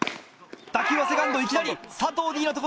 打球はセカンドいきなり佐藤Ｄの所へ。